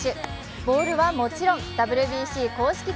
ボールはもちろんＷＢＣ公式球。